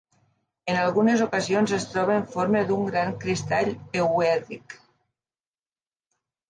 En algunes ocasions es troba en forma d'un gran cristall euèdric.